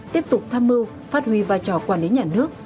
tiếp tục tham mưu phát huy vai trò quản lý nhà nước